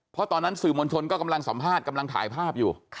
เพราะตอนนั้นสื่อมวลชนก็กำลังสัมภาษณ์กำลังถ่ายภาพอยู่